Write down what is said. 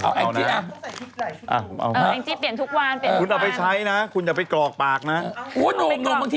เขาออกมาเคลียร์เลยนะคุณเต๋อไปพูดกับเขาอย่างนี้